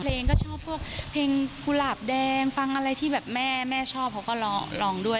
เพลงก็ชอบพวกเพลงกุหลาบแดงฟังอะไรที่แบบแม่แม่ชอบเขาก็ลองด้วย